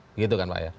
begitu kan pak ya